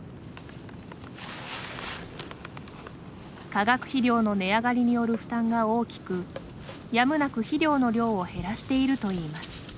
化学肥料の値上がりによる負担が大きくやむなく肥料の量を減らしているといいます。